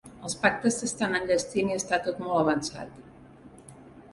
Els pactes s'estan enllestint i tot està molt avançat.